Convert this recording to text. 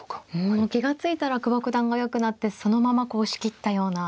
うんもう気が付いたら久保九段がよくなってそのままこう押し切ったような。